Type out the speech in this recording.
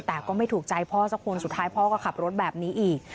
แต่ก็ไม่ถูกใจพ่อสักคนสุดท้ายพ่อก็ขับรถแบบนี้อีก